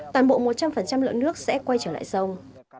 toàn bộ một trăm linh lượng nước sẽ quay trở lại sông